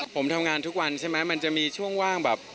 ผมทำงานทุกวันใช่ไหมมันจะมีช่วงว่างแบบ